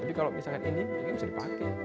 tapi kalau misalnya ini ini bisa dipakai